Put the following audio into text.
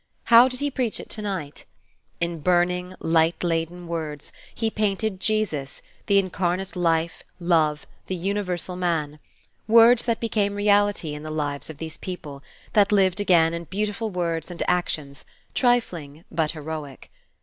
How did he preach it to night? In burning, light laden words he painted Jesus, the incarnate Life, Love, the universal Man: words that became reality in the lives of these people, that lived again in beautiful words and actions, trifling, but heroic.